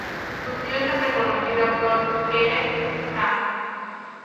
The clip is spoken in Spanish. Su tío es el reconocido actor Kenneth Tsang 曾 江.